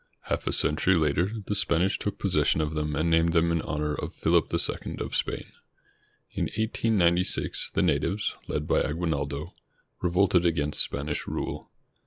Half a century later, the Spanish took possession of them and named them in honor of PhiUp II of Spain. In 1896, the natives, led by Aguinaldo, revolted against Spanish rule.